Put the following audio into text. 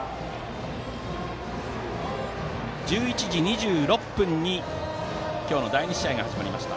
１１時２６分に今日の第２試合が始まりました。